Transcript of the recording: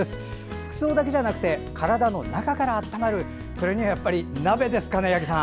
服装だけじゃなくて体の中から温まるそれにはやっぱり鍋ですかね八木さん。